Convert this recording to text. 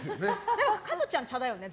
でも加トちゃん、茶だよね。